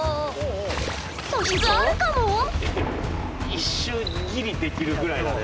一瞬ギリできるぐらいだね。